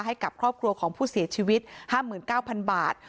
ให้กับครอบครัวของผู้เสียชีวิต๕๙๐๐บาท